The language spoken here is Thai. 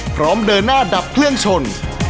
พร้อมเดินหน้าดับเครื่องชน